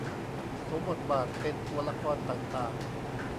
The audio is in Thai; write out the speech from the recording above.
สวมบทบาทเป็นตัวละครต่างต่าง